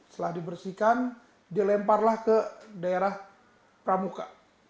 setelah dibersihkan dilemparlah ke daerah pramuka